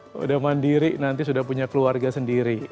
sudah mandiri nanti sudah punya keluarga sendiri